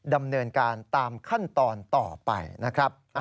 ดำเนินการตามขั้นตอนต่อไปนะครับ